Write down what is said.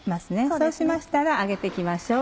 そうしましたら揚げて行きましょう。